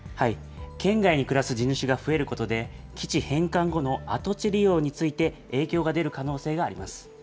県外に暮らす地主が増えることで、基地返還後の跡地利用について影響が出る可能性があります。